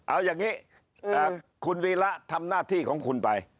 เอาอย่างนี้คุณวีระทำหน้าที่ของคุณไป